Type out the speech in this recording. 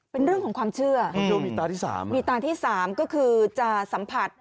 เป็นเรื่องของความเชื่อคุณดูมีตาที่สามมีตาที่สามก็คือจะสัมผัส